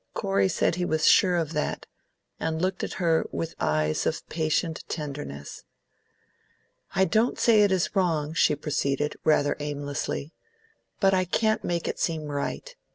Corey said he was sure of that, and looked at her with eyes of patient tenderness. "I don't say it is wrong," she proceeded, rather aimlessly, "but I can't make it seem right.